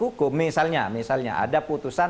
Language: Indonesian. hukum misalnya misalnya ada putusan